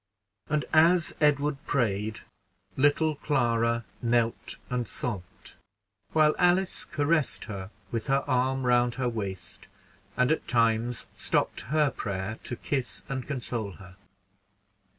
And as Edward prayed, little Clara knelt and sobbed, while Alice caressed her with her arm round her waist, and stopped at times her prayer to kiss and console her.